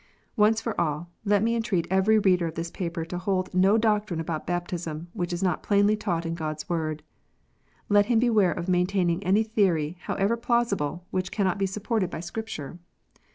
Once for all, let me entreat every reader of this paper to hold no doctrine about baptism which is not plainly taught in God s Word. Let him beware of maintaining any theory, however plausible, which cannot be supported by Scripture.